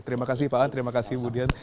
terima kasih pak ayan terima kasih budian